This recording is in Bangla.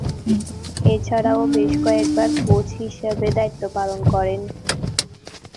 এছাড়াও বেশ কয়েকবার কোচ হিসেবে দায়িত্ব পালন করেন।